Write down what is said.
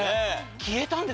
消えたんですね。